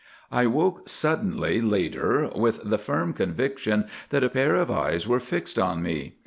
"I woke suddenly, later, with the firm conviction that a pair of eyes were fixed on me.